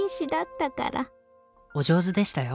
お上手でしたよ。